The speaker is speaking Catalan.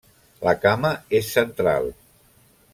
La cama és central.